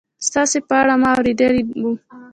ستاسې په اړه ما اورېدلي و